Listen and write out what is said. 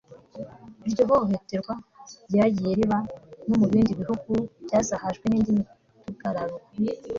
iryo hohoterwa ryagiye riba no mu bindi bihugu byazahajwe n'indi midugararo